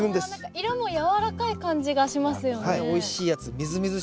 色もやわらかい感じがしますよね。